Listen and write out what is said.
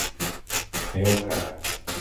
Rilke.